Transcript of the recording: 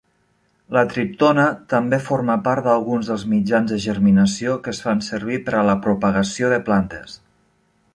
La triptona també forma part d'alguns dels mitjans de germinació que es fan servir per a la propagació de plantes.